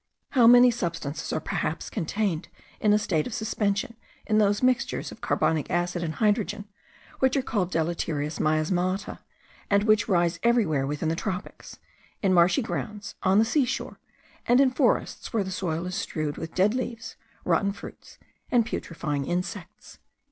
How many substances are perhaps contained in a state of suspension in those mixtures of carbonic acid and hydrogen, which are called deleterious miasmata, and which rise everywhere within the tropics, in marshy grounds, on the sea shore, and in forests where the soil is strewed with dead leaves, rotten fruits, and putrefying insects.)